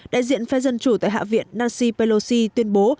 đại diện phe dân chủ tại hạ viện nassi pelosi tuyên bố